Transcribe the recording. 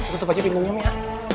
tutup aja bingung nyum ya